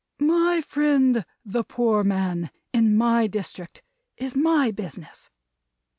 My friend, the Poor Man, in my district, is my business.